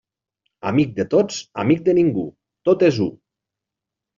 Amic de tots, amic de ningú, tot és u.